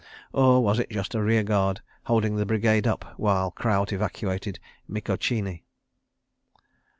Or was it just a rear guard holding the Brigade up while Kraut evacuated Mikocheni?